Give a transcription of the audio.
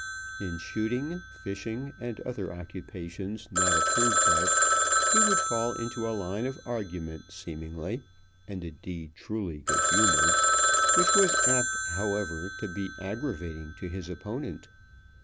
In shooting, fishing, and other occupations not approved of, he would fall into a line of argument, seemingly and indeed truly good humoured, which was apt, however, to be aggravating to his opponent.